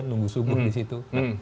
nunggu subuh di situ